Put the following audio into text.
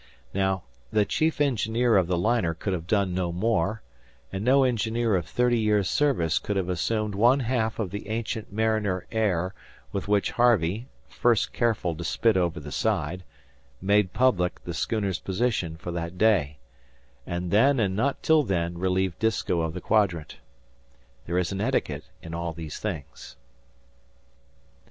Now, the chief engineer of the liner could have done no more, and no engineer of thirty years' service could have assumed one half of the ancient mariner air with which Harvey, first careful to spit over the side, made public the schooner's position for that day, and then and not till then relieved Disko of the quadrant. There is an etiquette in all these things.